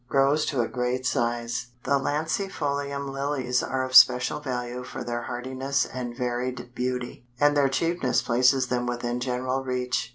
Grows to a great size. The Lancifolium Lilies are of special value for their hardiness and varied beauty, and their cheapness places them within general reach.